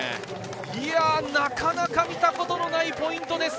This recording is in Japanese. いや、なかなか見たことがないポイントです。